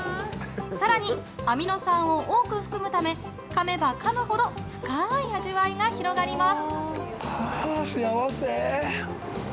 更に、アミノ酸を多く含むためかめばかむほど深い味わいが広がります。